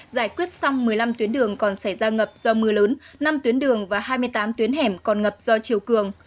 giải quyết xong một mươi năm tuyến đường còn xảy ra ngập do mưa lớn năm tuyến đường và hai mươi tám tuyến hẻm còn ngập do chiều cường